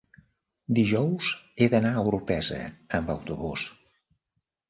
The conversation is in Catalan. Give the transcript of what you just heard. Dijous he d'anar a Orpesa amb autobús.